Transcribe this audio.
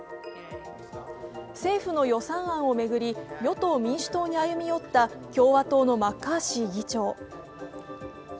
政府の予算案を巡り、与党・民主党に歩み寄った共和党のマッカーシー議長。